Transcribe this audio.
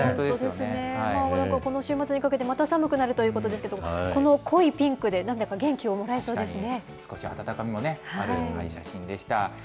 まもなく、この週末にかけてまた寒くなるということですけれども、この濃いピンクでなんだかこちら、温かみもあるような写真でした。